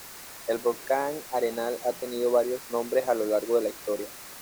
El volcán Arenal ha tenido varios nombres a lo largo de la historia.